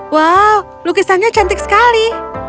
wow lukisannya cantik sekali